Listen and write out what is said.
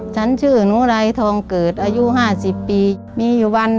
ฉันชื่อนุรัยทองเกิดอายุ๕๐ปี